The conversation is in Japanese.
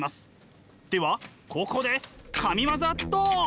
ではここで神業ドン！